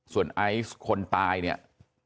ส่วนไอซ์คนตายเนี่ย